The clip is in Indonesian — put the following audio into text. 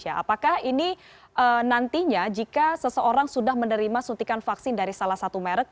apakah ini nantinya jika seseorang sudah menerima suntikan vaksin dari salah satu merek